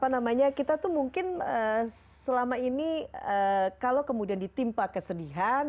namanya kita tuh mungkin selama ini kalau kemudian ditimpa kesedihan